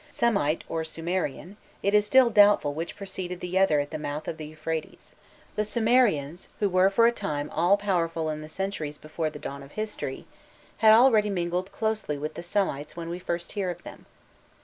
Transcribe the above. Semite or Sumerian, it is still doubtful which preceded the other at the mouths of the Euphrates. The Sumerians, who were for a time all powerful in the centuries before the dawn of history, had already mingled closely with the Semites when we first hear of them.